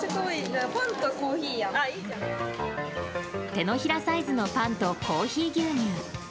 手のひらサイズのパンとコーヒー牛乳。